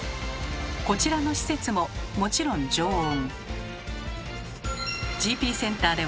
こちらの施設ももちろん常温。